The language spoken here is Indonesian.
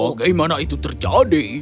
bagaimana itu terjadi